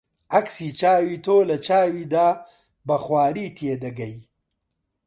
عەکسی چاوی تۆ لە چاویدا بە خواری تێدەگەی